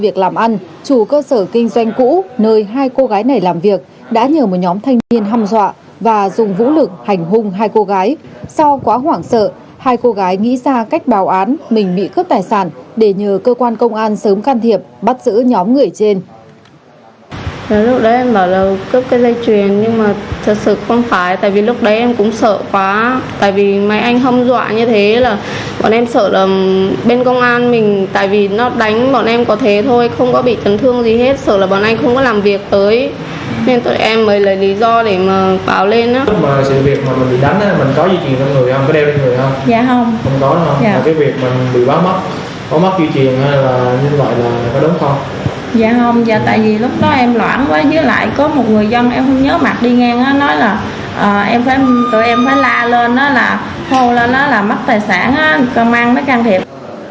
dạ không dạ tại vì lúc đó em loãng quá dưới lại có một người dân em không nhớ mặt đi ngang á nói là tụi em phải la lên á là hô lên á là mất tài sản á cơm ăn mới can thiệp